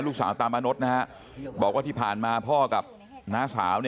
ลูกสาวตามมนุษย์นะฮะบอกว่าที่ผ่านมาพ่อกับนะศาล